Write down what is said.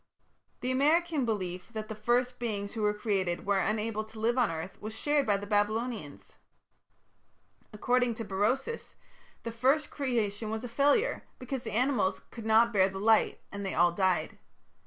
The American belief that the first beings who were created were unable to live on earth was shared by the Babylonians. According to Berosus the first creation was a failure, because the animals could not bear the light and they all died.